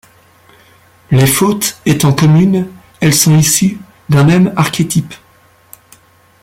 Les fautes étant communes, elles sont issues d'un même archétype.